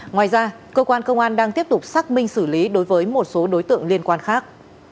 ngoài ra cơ quan công an đang tiếp tục xác minh xử lý đối với một số đối tượng liên quan khác